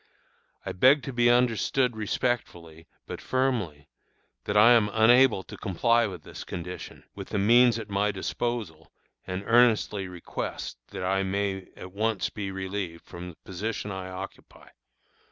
I beg to be understood respectfully, but firmly, that I am unable to comply with this condition, with the means at my disposal, and earnestly request that I may at once be relieved from the position I occupy.